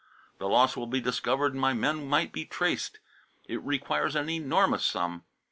The loss will be discovered and my men might be traced. It requires an enormous sum.